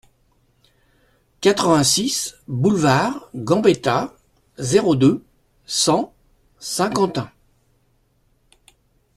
quatre-vingt-six boulevard Gambetta, zéro deux, cent, Saint-Quentin